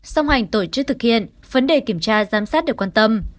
song hành tổ chức thực hiện vấn đề kiểm tra giám sát được quan tâm